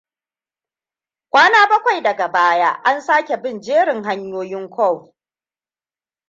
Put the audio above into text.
Kwana bakwai daga baya an sake bin jerin hanyoyin CoV.